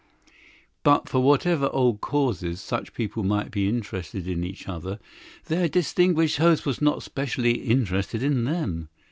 But for whatever old causes such people might be interested in each other, their distinguished host was not specially interested in them.